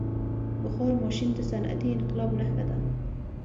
• بخار ماشین د صنعتي انقلاب نښه ده.